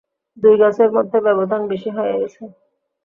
দুই গাছের মধ্যে ব্যাবধান বেশি হয়ে গেছে।